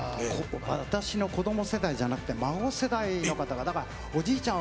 私の子供世代じゃなくて孫世代の方がおじいちゃん